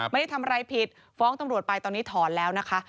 ไม่ได้ทำอะไรผิดฟ้องตำรวจไปตอนนี้ถอนแล้วนะคะ